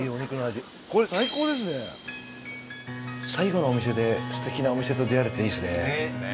最後のお店で素敵なお店と出会えるっていいですね。